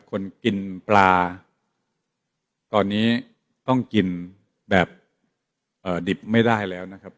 คนกินปลาตอนนี้ต้องกินแบบดิบไม่ได้แล้วนะครับ